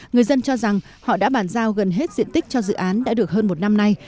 người dân cho rằng họ đã bàn giao gần hết diện tích cho dự án đã được hơn một năm nay